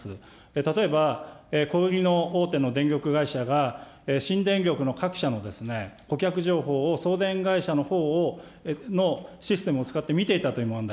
例えば、小売りの大手の電力会社が、新電力の各社の顧客情報を送電会社のほうのシステムを使って見ていたという問題。